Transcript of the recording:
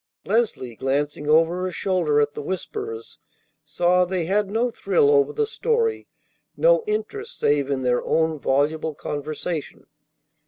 Leslie, glancing over her shoulder at the whisperers, saw they had no thrill over the story, no interest save in their own voluble conversation.